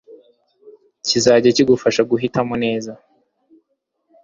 kizajya kigufasha guhitamo neza